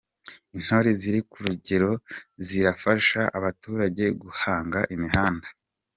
Intore ziri kurugerero zirafasha abaturage guhanga imihanda